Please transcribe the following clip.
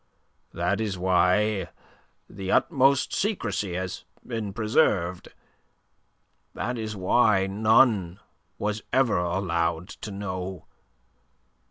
That is why the utmost secrecy has been preserved. That is why none was ever allowed to know.